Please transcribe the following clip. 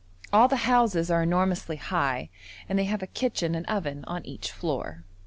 All the houses are enormously high, and have a kitchen and oven on each floor.